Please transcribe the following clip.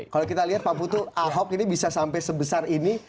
kalau kita lihat pak putu ahok ini bisa sampai sebesar ini